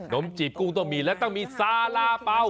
มจีบกุ้งต้องมีและต้องมีซาร่าเปล่า